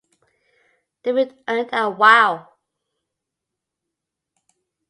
The feat earned a Wow!